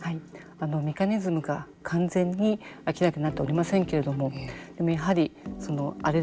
メカニズムが完全に明らかになっておりませんけれどもで